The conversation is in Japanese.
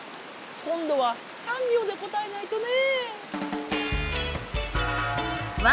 今度は３秒で答えないとね。